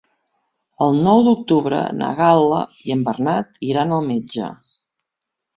El nou d'octubre na Gal·la i en Bernat iran al metge.